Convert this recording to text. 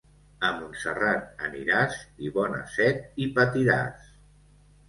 A Montserrat aniràs i bona set hi patiràs.